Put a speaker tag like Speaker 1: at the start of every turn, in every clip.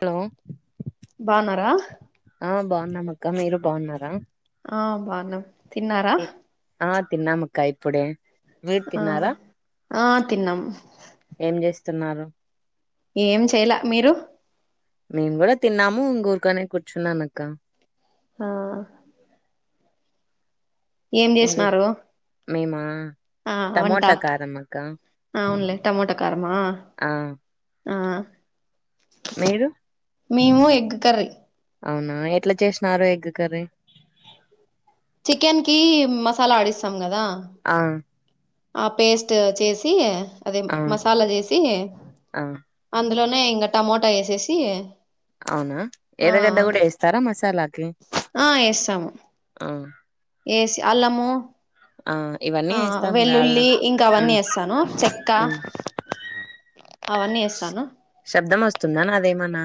Speaker 1: Hello
Speaker 2: బాగున్నారా
Speaker 1: ఆ బాగున్నాంక్క మీరు బాగున్నారా
Speaker 2: ఆ బానం తిన్నారా
Speaker 1: ఆ తిన్నామక్క ఇప్పుడే మీరు
Speaker 2: ఆ
Speaker 1: తిన్నారా
Speaker 2: ఆ తిన్నాం
Speaker 1: ఏం చేస్తున్నారు
Speaker 2: ఏం చేయాలె మీరు
Speaker 1: మేం కూడా తిన్నము ఇంకుర్కనే కూర్చునం అక్క
Speaker 2: ఆ
Speaker 1: ఇంట్లో
Speaker 2: ఏంచేస్నారు
Speaker 1: మేమా టమోటా కారంమక్క
Speaker 2: ఆవునులే టమోటో కారమా ఆ
Speaker 1: మీరు
Speaker 2: మేము ఎగ్ కర్రీ
Speaker 1: అవునా ఎట్లా చేసినారు ఎగ్ కర్రీ
Speaker 2: చికెన్ కి మసాలా ఆడిస్తాం కదా
Speaker 1: ఆ
Speaker 2: ఆ పేస్ట్ చేసి అదే
Speaker 1: ఆ
Speaker 2: మసాలా చేసి
Speaker 1: ఆ
Speaker 2: అందులో ఇంగ టమోటా వేసేసి
Speaker 1: అవునా
Speaker 2: ఆ
Speaker 1: ఎర్రగెడ్డ కూడా వేస్తారా మసాలాకి
Speaker 2: ఆ
Speaker 1: ఆ
Speaker 2: సి అల్లాము
Speaker 1: ఆ ఇవన్నీ
Speaker 2: ఆ
Speaker 1: వేస్తాంలే అల్లా
Speaker 2: వెల్లుల్లి ఇంకా అవన్నీ
Speaker 1: ఉమ్
Speaker 2: ఎస్తాను చెక్క
Speaker 1: ఉమ్
Speaker 2: అవన్నీ ఎస్తాను
Speaker 1: వస్తుందానా అదేమన్నా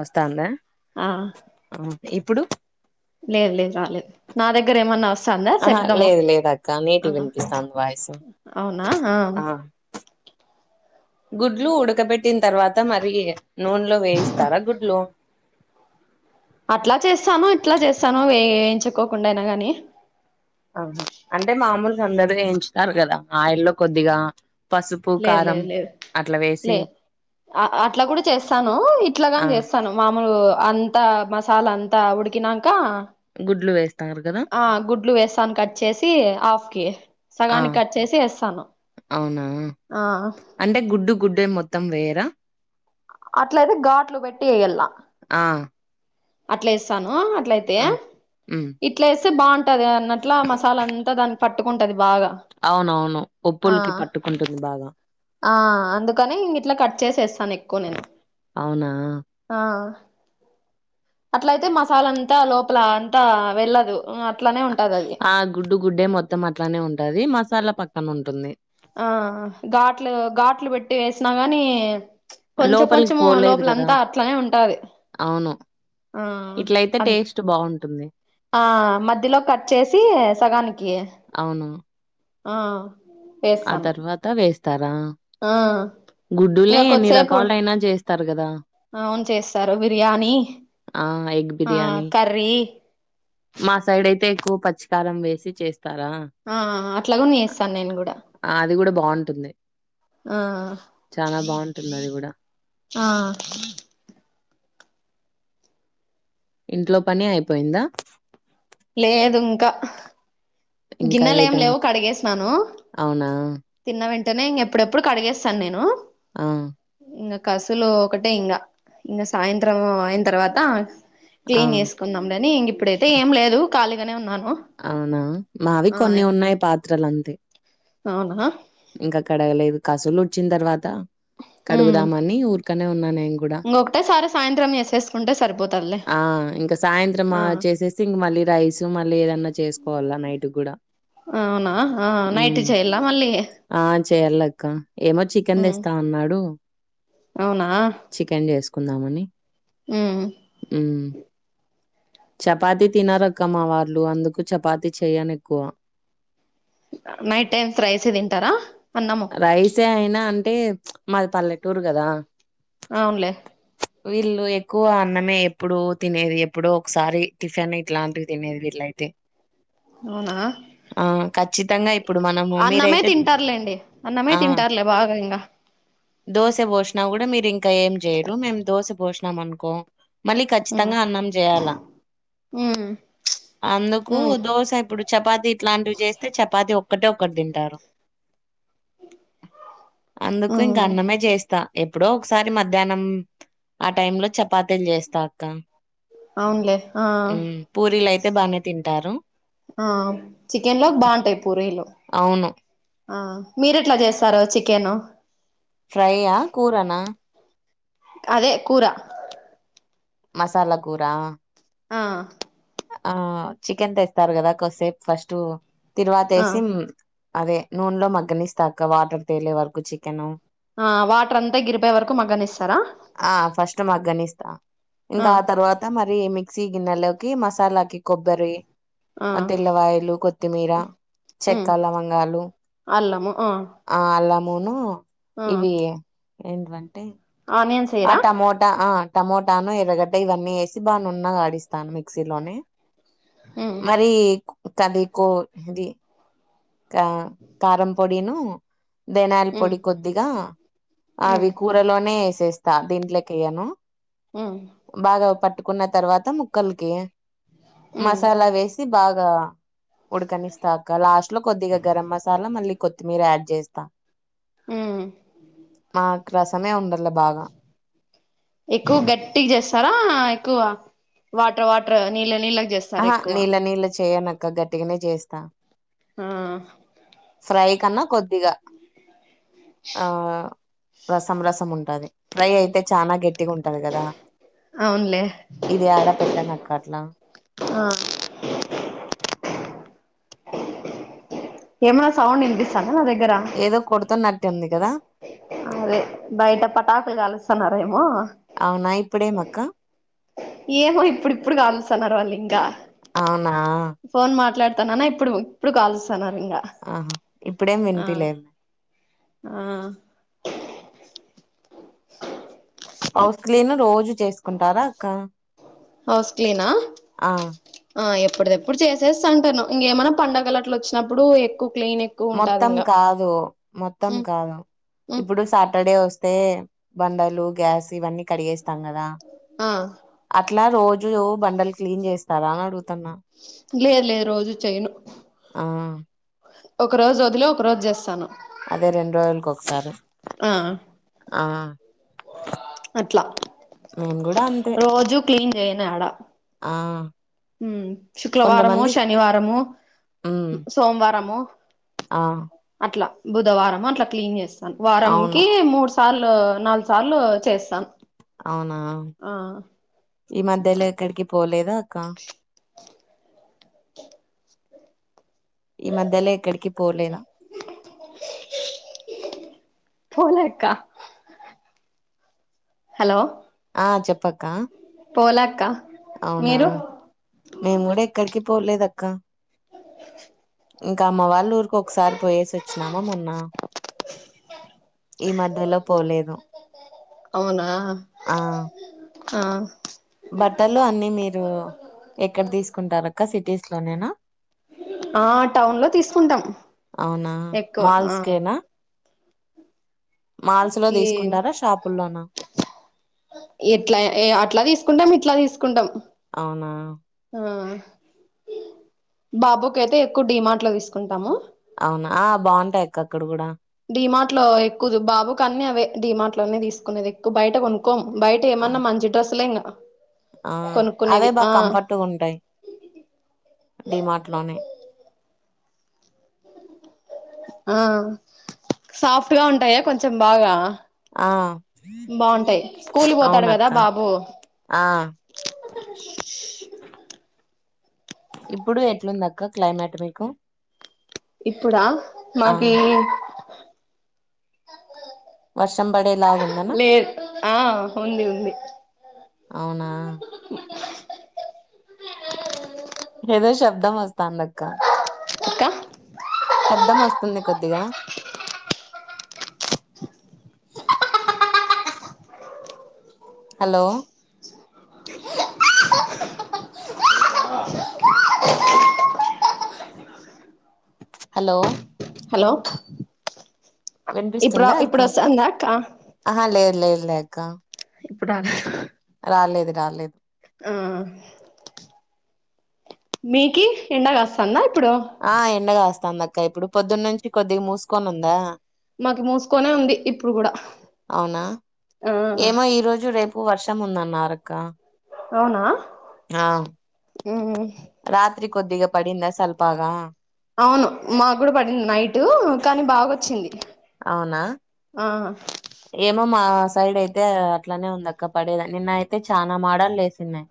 Speaker 1: వస్తానందా
Speaker 2: ఆ
Speaker 1: ఇప్పుడు
Speaker 2: లేద్ లేదు రాలేదు నా దగ్గర ఏమన్నా వస్తాందా
Speaker 1: ఆహా
Speaker 2: శబ్దము
Speaker 1: లేదు లేదు అక్క
Speaker 2: ఆ
Speaker 1: నీటిగా వినిపిస్తాంది వయిస్ ఆ గుడ్లు ఉడకబెట్టిన తర్వాత మరి నూనెలో వేయిస్తారా గుడ్లు
Speaker 2: అట్లా చేస్తాను ఇట్లా చేస్తాను వే వేయించుకోకుండా అయినా గాని
Speaker 1: ఆహా అంటే మామూలుగా అందరు ఎంచుతారు కదా ఆయల్లో కొద్దిగా ఉప్పు
Speaker 2: లేదు
Speaker 1: కారం
Speaker 2: లేదు లేదు
Speaker 1: అట్ల
Speaker 2: లే అట్లా కూడా చేస్తాను
Speaker 1: ఆ
Speaker 2: ఇట్లాగాని చేస్తాను మా అంతా మసాలా అంతా ఉడికినాక
Speaker 1: గుడ్లు వేస్తా
Speaker 2: ఆ గుడ్లు వేస్తాను కట్ చేేసి హాఫ్ కి
Speaker 1: ఆ
Speaker 2: సగానికి కట్ చేసి ఎస్స్తాను
Speaker 1: అవునా అంటే గుడ్డు గుడ్డే మొత్తం వెయ్రా
Speaker 2: అట్లయితే ఘాట్లు పెట్టి ఎయలా
Speaker 1: ఆ
Speaker 2: అట్లా ఎస్తాను అట్ల అయితే
Speaker 1: ఆ ఉమ్
Speaker 2: ఇట్లాస్ బాగుంటది అన్నట్ల మసాలా అంతా దాన్కి పట్టుకుంటది బాగా
Speaker 1: అవునవును
Speaker 2: ఆ
Speaker 1: పప్పుల్కి పట్టుకుంటుంది బాగా
Speaker 2: ఆ అందుకని ఇంగ ఇట్లా కట్ చేసి వేస్తానూ ఎక్కువ నేను
Speaker 1: అవునా
Speaker 2: ఆ అట్లయితే మసాల అంతా లోపల అంతా వెళ్ళదు అట్లానే ఉంటాది అది
Speaker 1: గుడ్డె మొత్తం అట్లానే ఉంటది మసాలా పక్కన ఉంటుంది.
Speaker 2: ఆ ఘాట్లు ఘాట్లు పెట్టి వేసినా గాని కొంచెం
Speaker 1: లోపలికి
Speaker 2: కొంచం
Speaker 1: పోలేదు కదా
Speaker 2: లోపలంతా అట్లనే ఉంటాది.
Speaker 1: అవును. ఇట్లయితే టేస్ట్ బావుంటుంది.
Speaker 2: ఆ మధ్యలో కట్ చేసి సగానికి
Speaker 1: అవును.
Speaker 2: ఆ
Speaker 1: ఆ
Speaker 2: వేస్తాను
Speaker 1: తర్వాత వేస్
Speaker 2: ఆ ఇంకా
Speaker 1: ఎన్ని
Speaker 2: కొద్దిసేపు
Speaker 1: రకాలైనా చేస్తారు గదా!
Speaker 2: అవును చేస్తారు బిర్యానీ
Speaker 1: ఆ! ఎగ్
Speaker 2: ఆ
Speaker 1: బిర్యానీ.
Speaker 2: కర్రీ
Speaker 1: మా సైడ్ అయితే ఎక్కువ పచ్చికారం వేసి చేస్
Speaker 2: ఆ అట్లాగుని చేస్తాను నేను కూడా
Speaker 1: ఆ అది కూడా బావుంటుంది.
Speaker 2: ఆ
Speaker 1: చానా బావుంటుందది గూడా.
Speaker 2: ఆ
Speaker 1: ఇంట్లో పని అయిపోయిందా?
Speaker 2: లేదు ఇంకా
Speaker 1: ఇంకా
Speaker 2: గిన్నెలు
Speaker 1: ఏ
Speaker 2: ఏం
Speaker 1: టైం?
Speaker 2: లేవు కడిగేసినాను
Speaker 1: అవునా?
Speaker 2: తిన్న వెం టనే ఇంక ఎప్పుడెప్పుడు కడిగేస్తాను నేను
Speaker 1: ఆ!
Speaker 2: ఇంకా కసులు ఒకటే ఇంగా ఇంగా సాయంత్రం అయిన తర్వాత
Speaker 1: ఆ!
Speaker 2: క్లీన్ చేసుకునాండని ఇంక ఇప్పుడైతే
Speaker 1: అ
Speaker 2: ఏం లేదు ఖాళీగానే ఉన్నాను.
Speaker 1: అవునా మావి
Speaker 2: ఆ
Speaker 1: కొన్ని ఉన్నాయి పాత్రలు అంతే
Speaker 2: అవునా
Speaker 1: ఇంకా కడగలేదు కసులు ఊడ్చిన తర్వాత
Speaker 2: ఉమ్
Speaker 1: కడుగుదామని ఊర్కనే ఉన్నాను. ఇంగూడ
Speaker 2: ఇంకొకటేసారి సాయంత్రం చేసేసుకుంటే సరిపోతదిలే
Speaker 1: ఆ ఇంక సాయంత్రం
Speaker 2: ఆ
Speaker 1: చేసే ఇ మ లేదా ఐస్ మళ్ళీ ఏదన్నా చేసుకోవాలా నైట్ గూడా
Speaker 2: అవునా ఆ నైట్
Speaker 1: హ్మ్.
Speaker 2: చెయ్యాల మళ్ళీ
Speaker 1: ఆ చేయలక్క ఏమో చికెన్
Speaker 2: ఉమ్
Speaker 1: తెస్తా అన్నాడు.
Speaker 2: అవునా
Speaker 1: చికెన్ చేసుకుందామని
Speaker 2: ఉమ్
Speaker 1: ఉమ్ చపాతి తినరు అక్క మా వాళ్లు అందుకు చపాతి చేయను ఎక్కువ
Speaker 2: నైట్ టైమ్స్ రైసే తింటారా? అన్నము
Speaker 1: రైసే అయినా అంటే మాది పల్లెటూరు కదా
Speaker 2: అవునులే
Speaker 1: వీళ్ళు ఎ క్కువ అన్నమే ఎప్పుడూ తినేది ఎప్పుడో ఒకసారి టిఫిన్ ఇట్లాంటివి తినేది వీట్లయితే
Speaker 2: అవునా
Speaker 1: ఆ ఖచ్చితంగా ఇప్పుడు మనము
Speaker 2: అన్నమే
Speaker 1: మీరైతే
Speaker 2: తింటారులేండి అన్నమే
Speaker 1: ఆ
Speaker 2: తింటారులే బాగా ఇంగ
Speaker 1: దోశ పోషణ కూడా మీరు ఇంకా ఏం చేయరు మేము దో కోశ పోషనమనుకో మళ్ళీ
Speaker 2: ఉమ్
Speaker 1: ఖచ్చితంగా అన్నం చేయాల
Speaker 2: ఉమ్
Speaker 1: అందుకు
Speaker 2: ఉమ్
Speaker 1: దోశ ఇప్పుడు చపాతి ఇట్లాంటివి చేస్తే చపాతి ఒక్కటే ఒక్కటి తింటారు. అందుకు ఇంకా
Speaker 2: ఉమ్
Speaker 1: అన్నమే చేస్తా ఎప్పుడో ఒకసారి మధ్యాహ్నం ఆ టైమ్ లో చపాతీలు చేస్తా అక్క
Speaker 2: అవునులే ఆ
Speaker 1: ఉమ్ పూరీలు అయితే బానే తింటారు.
Speaker 2: ఆ చికెన్ లోకి బావుంటాయి పూరీలో
Speaker 1: అవును
Speaker 2: ఆ మీరు ఎట్లా చేస్తారు చికెన్?
Speaker 1: ఫ్రైయా, కూరనా?
Speaker 2: అదే కూర
Speaker 1: మసాలా కూరా.
Speaker 2: ఆహ్.
Speaker 1: ఆహ్ చికెన్ తెస్తారు కదా కొద్దిసేపు ఫస్ట్ తిరువాత
Speaker 2: ఆ
Speaker 1: వేసి. అదే నూనెలో మగ్గనీస్తాక్క వాటర్ తేలే వరకు చికెన్.
Speaker 2: ఆహ్ వాటర్ అంతా ఎగిరిపోయే వరకు మగ్గనిస్తారా.
Speaker 1: ఆ ఫస్ట్ మగ్గనిస్తా ఇంకా ఆ తర్వాత మరి మిక్సీ గిన్నెలోకి మసాలాకి కొబ్బరి.
Speaker 2: ఆ
Speaker 1: ఆహ్ తెల్లవాయలు కొత్తిమీర
Speaker 2: ఉమ్
Speaker 1: చెక్క లవంగాలు.
Speaker 2: అల్లము ఆ
Speaker 1: ఆహ్ అల్లామూను
Speaker 2: ఆ
Speaker 1: ఇవి ఏంటంటే.
Speaker 2: ఆనియన్స్
Speaker 1: ఆ
Speaker 2: ఎయ్యరా
Speaker 1: టమోటా ఆహ్. టమోటాను ఎరగటి ఇవన్నీ వేసి బాగా నున్నగా ఆడిస్తాను మిక్సీలోనే.
Speaker 2: ఉమ్
Speaker 1: మరి కదికు ఇంది. ఆహ్ కారం పొడిను. ధన్యల
Speaker 2: ఉమ్
Speaker 1: పొడి కొద్దిగా అవి
Speaker 2: ఉమ్
Speaker 1: కూరలోనే వేసేస్తా దీంట్లోకి వేయను.
Speaker 2: ఉమ్
Speaker 1: బాగా పట్టుకున్న తర్వాత ముక్కలకి.
Speaker 2: ఉమ్
Speaker 1: మసాలా వేసి బాగా ఉడకనిస్తాక్క లాస్ట్. లో గరం మసాలా మళ్ళీ కొత్తిమీర యాడ్ చేస్తా
Speaker 2: ఉమ్
Speaker 1: ఆహ్. రసమే ఉండాల బాగా.
Speaker 2: ఎక్కువ గట్టిగా చేస్తారా ఎక్కువ వాటర్ వాటర్ నీళ్ళ నీళ్ళ
Speaker 1: ఆహా నీళ్ళ నీళ్ళ చేయనక్క గట్టిగానే చేస్తా.
Speaker 2: ఆహ్.
Speaker 1: ఫ్రై కన్నా కొద్దిగా ఆహ్. రసం రసం ఉంటది ఫ్రై అయితే చానా గట్టిగా ఉంటది కదా.
Speaker 2: అవునులే
Speaker 1: ఇది ఆడ పెట్టమాకు అక్క అట్లా.
Speaker 2: ఆహ్. ఏమన్నా సౌండ్ వినిపిస్తుందా.
Speaker 1: ఏదో కొడుతునట్టు ఉంది కదా.
Speaker 2: అదే బయట పటాకులు కలుస్తున్నారేమో.
Speaker 1: అవునా ఇప్పుడేమక్క.
Speaker 2: ఏమో ఇప్పుడు ఇప్పుడు కాలుస్తున్నారు వాళ్ళు ఇంకా
Speaker 1: అవునా
Speaker 2: ఫోన్ మాట్లాడుతు. తననా ఇప్పుడు ఇప్పుడు కాల్స్తున్నారు ఇంకా
Speaker 1: ఆహా ఇప్పుడేం
Speaker 2: ఆహ్.
Speaker 1: వినిపిలేదు
Speaker 2: ఆహ్.
Speaker 1: హౌస్ క్లీన్ రోజు చేసుకుంటారా అక్క.
Speaker 2: హౌస్ క్లీనా
Speaker 1: ఆ
Speaker 2: ఆహ్ ఎప్పు. ఇప్పుడు ఎప్పుడు చేసేస్త ఉంటాను ఇంకేమైన్నా పండుగలు అట్లు వచ్చినప్పుడు ఎక్కువ. క్లీన్ ఎక్కువ ఉంటది
Speaker 1: మొత్తం
Speaker 2: ఇంగా
Speaker 1: కాదు మొత్తం
Speaker 2: ఉమ్
Speaker 1: కాదు
Speaker 2: ఉమ్
Speaker 1: ఇప్పుడు సాటర్డే వస్త. యే బండలు గ్యాస్ ఇవన్నీ కడిగేస్త. కదా
Speaker 2: ఆ
Speaker 1: అట్లా రోజులు బండలు క్లీన్ చేస్తారా అని అడుగు.
Speaker 2: లేదు లేదు రోజు చేయను.
Speaker 1: ఆ
Speaker 2: ఒక రోజు వదిలి ఒక రోజు చేస్తాను.
Speaker 1: అదే రెండు రోజులకు ఒకసారి
Speaker 2: ఆ
Speaker 1: ఆహ్.
Speaker 2: అట్లా
Speaker 1: మేము కూడా అంతే
Speaker 2: రోజూ క్లీన్ చేయనాడ.
Speaker 1: ఆ
Speaker 2: ఉమ్ శుక్రవారము
Speaker 1: కొంతమంది
Speaker 2: శనివారము సోమవారము.
Speaker 1: ఆహ్.
Speaker 2: అట్లా బుధవారం అట్లా క్లీన్ చేస్తాను
Speaker 1: అవును
Speaker 2: వారంకి మూడు సార్లు నాలుగు సార్లు చేస్తాను.
Speaker 1: అవునా
Speaker 2: ఆ
Speaker 1: ఈ మధ్యలో ఎక్కడికి పోలేదా అక్క. ఈ మధ్యలో ఎక్కడికి పోలేదా
Speaker 2: పోలేక్క హలో
Speaker 1: ఆ చెప్పక్క
Speaker 2: పోలాక్క
Speaker 1: అవునా మేము కూడ ఎక్కడికి పోలేదక్క ఇంకా అమ్మ వాళ్ళ ఊరికు ఒకసారి పోయేసి ఓచ్చినామా మొన్న ఈ మధ్యలో పోలేదు
Speaker 2: అవునా
Speaker 1: ఆ
Speaker 2: ఆ
Speaker 1: బట్టలు అన్ని మీరు ఎక్కడ తీసుకుంటార అక్క సిటీస్ లోనేన
Speaker 2: ఆ టౌన్ లో తీసుకుంటాం
Speaker 1: అవునా
Speaker 2: ఎక్కువ ఆ
Speaker 1: మాల్స్ కేనా మాల్స్ లో
Speaker 2: ఏ
Speaker 1: తీసుకుంటారా షాపుల్లోనా
Speaker 2: ఎట్లా ఆ అట్లా తీసుకుంటం ఇట్ల తీసుకుంటాం
Speaker 1: ఆ
Speaker 2: ఆ బాబుకి అయితే ఎక్కువ డిమార్ట్ లో తీసుకుంటాము
Speaker 1: అవునా ఆ బావుంటాయి అక్క అక్కడ కూడ
Speaker 2: డిమార్ట్ లో ఎక్కువ బాబు క అన్న అవే డిమార్ట్ లోనే తీసుకునేది ఎక్కువ బయట కొనుక్ కోమ్ బయట
Speaker 1: ఆ
Speaker 2: ఏమన్నా మంచి డ్రస్సులే ఇంగ
Speaker 1: ఆ అవే
Speaker 2: కొనుక్కునేది
Speaker 1: బా
Speaker 2: ఆ
Speaker 1: కంఫర్ట్గా ఉంటాయి డిమార్ట్ లోనే
Speaker 2: ఆ సాఫ్ట్ గ ఉంటాయ కొంచెం బాగ
Speaker 1: ఆ
Speaker 2: స్కూల్ పోతాడు కదా
Speaker 1: అవునక్క
Speaker 2: బాబు
Speaker 1: ఆ ఇప్పుడు ఎట్లుందక్క క్లైమాట్ మీకు
Speaker 2: ఇప్పుడా
Speaker 1: ఆ
Speaker 2: మాకి
Speaker 1: వర్షం పడేలాగుందనా
Speaker 2: లెద్ ఆ ఉంది ఉంది
Speaker 1: అవునా ఏదో శబ్దం వస్తాంది అక్క
Speaker 2: అక్క
Speaker 1: శబ్దం వస్తుంది కొద్దిగ హలో హలో
Speaker 2: హలో ఇప్పుడు
Speaker 1: వినిపిస్తుందా అక్క
Speaker 2: ఇప్పుడు వస్తాందా అక్క
Speaker 1: ఆహా లెద్ లేద్ లేక్క
Speaker 2: ఇప్పుడ
Speaker 1: రాలేదు రాలేద్
Speaker 2: హ్మ్ మీకి ఎండ గాస్తంద
Speaker 1: ఆ ఎండ గాస్తాందక్క ఇప్పుడు పొద్దున్న నుంచి కొద్దిగ మూసుకోన్ ఉందా
Speaker 2: మాకు మూసుకొనే ఉంది ఇప్పుడు కూడా
Speaker 1: అవునా
Speaker 2: ఆ
Speaker 1: ఏమో ఈ రోజు రేపు వర్ష తం మన్నారక్క
Speaker 2: అవునా
Speaker 1: ఆ
Speaker 2: మ్మ్
Speaker 1: రాత్రి కొద్దిగ పడింద సల్పాగ
Speaker 2: అవును మా గుడ పడింది నైట్ అటు కానీ బాగొచ్చింది
Speaker 1: అవునా
Speaker 2: ఆ
Speaker 1: ఏమో మా సైడ్ అయితే అట్లనే ఉంది అక్క పడేదా నిన్న అయితే చాన మాడలు ఎసిన్య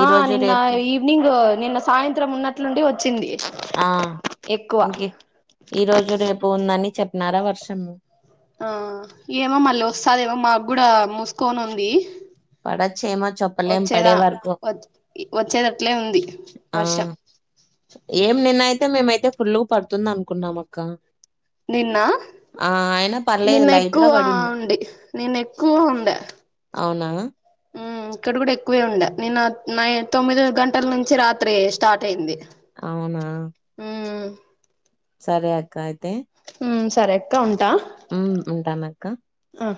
Speaker 2: ఆ నిన్నా ఈవినింగ్ నిన్న సాయంత్రం ఉన్నట్లుండి వచ్చింది.
Speaker 1: ఆ
Speaker 2: ఎక్కువ
Speaker 1: ఇంకే ఈ రోజు రేపు ఉందని చెప్పినారా వర్షము.
Speaker 2: ఆ ఏమో మళ్ళీ వస్తాదేమో మా గుడా మూస్కోన్ ఉంది.
Speaker 1: పడచ్చేమో చెప్పలేం పడే
Speaker 2: వచ్చేదా
Speaker 1: వరకు
Speaker 2: వచ్ వచ్చేదట్లే ఉంది
Speaker 1: ఆ
Speaker 2: వర్షం.
Speaker 1: ఏం నిన్నైతే మేమైతే ఫుల్లుగు పడ్తుందనుకున్నాం అక్కా
Speaker 2: నిన్నా?
Speaker 1: పర్లేదు
Speaker 2: నిన్న
Speaker 1: లైట్ గా
Speaker 2: ఎక్కువా
Speaker 1: పడింది
Speaker 2: ఉండి నిన్న ఎక్కువ ఉండ
Speaker 1: అవునా
Speaker 2: మ్ ఇక్కడ గుడా ఎక్కువే ఉండ నిన్న నై తొమ్మిది గంటల్ నుంచి రాత్రి స్టార్ట్ అయింది.
Speaker 1: అవునా
Speaker 2: ఉమ్
Speaker 1: సరే అక్క అయితే
Speaker 2: మ్ సరే అక్క ఉంటా.
Speaker 1: మ్ ఉంటానక్క.
Speaker 2: అ